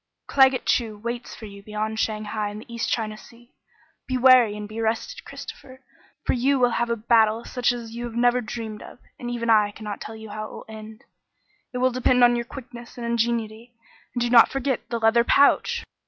"Claggett Chew waits for you beyond Shanghai in the East China Sea. Be wary, and be rested, Christopher, for you will have a battle such as you have never dreamed of, and even I cannot tell how it will end. It will depend on your quickness and ingenuity. And do not forget the leather pouch!"